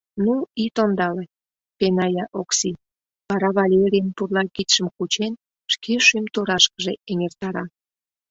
— Ну, ит ондале! — пеная Окси, вара Валерийын пурла кидшым, кучен, шке шӱм турашкыже эҥертара.